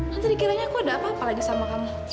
nanti dikiranya kok ada apa apa lagi sama kamu